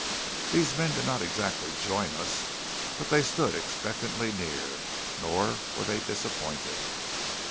These men did not exactly join us, but they stood expectantly near. Nor were they disappointed.